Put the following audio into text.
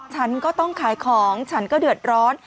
ฉันก็ต้องขายของฉันก็เดือดร้อน